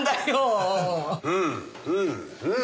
うんうんうん！